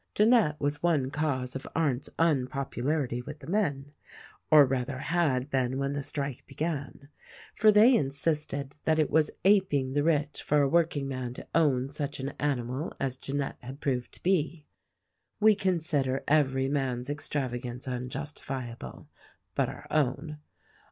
Jeanette was one cause of Arndt's unpopularity with the men — or rather had been when the strike began, — for they insisted that it was aping the rich for a workingman to own such an animal as Jeanette had proved to be. We consider every man's extravagance unjustifiable, but our own.